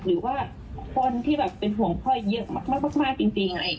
หรือว่าคนที่เป็นห่วงพ่อเยือกมากจริง